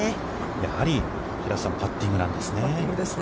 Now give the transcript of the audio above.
やはり平瀬さん、パッティングなんですね。